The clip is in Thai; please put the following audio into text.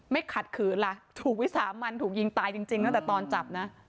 ขัดขืนล่ะถูกวิสามันถูกยิงตายจริงตั้งแต่ตอนจับนะ